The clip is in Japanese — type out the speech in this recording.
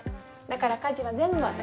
だから家事は全部私。